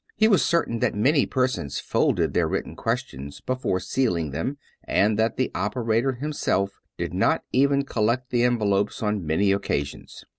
He was certain that many persons folded their written questions before sealing them, and that the operator him self did not even collect the envelopes on many occasions.